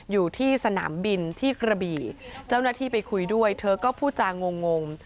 อยู่ที่สนามบินที่กระบี่เจ้าหน้าที่ไปคุยด้วยเธอก็พูดจางงง